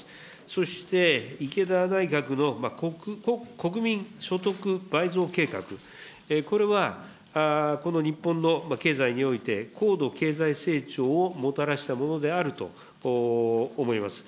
そして、池田内閣の国民所得倍増計画、これは、この日本の経済において、高度経済成長をもたらしたものであると思います。